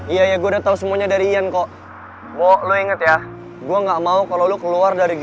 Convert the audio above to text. iya gue udah tahu semuanya dari ian kok bobo inget ya gua nggak mau kalau lu keluar dari